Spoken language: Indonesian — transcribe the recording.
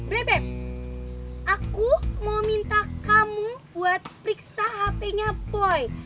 bebep aku mau minta kamu buat periksa hp nya poi